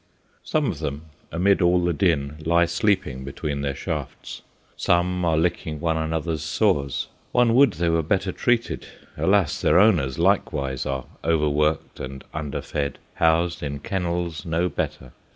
Some of them amid all the din lie sleeping between their shafts. Some are licking one another's sores. One would they were better treated; alas! their owners, likewise, are overworked and underfed, housed in kennels no better.